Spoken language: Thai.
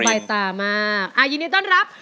บายตามากอ่ายินดีต้อนรับ